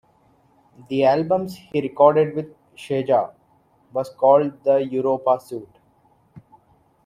The albums he recorded with Scheja was called the "Europa-suite".